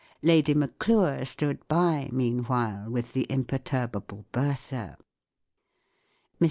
lady Maclure stood by, meanwhile, with the imperturbable Bertha. Mr.